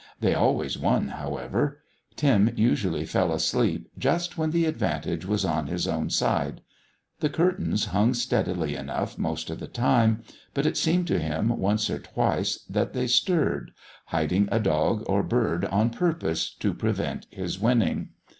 They always won, however; Tim usually fell asleep just when the advantage was on his own side. The curtains hung steadily enough most of the time, but it seemed to him once or twice that they stirred hiding a dog or bird on purpose to prevent his winning.